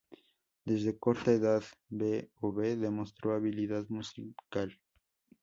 Desde corta edad B.o.B demostró habilidad musical.